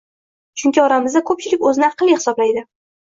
Chunki oramizda ko‘pchilik o‘zini aqlli hisoblaydi.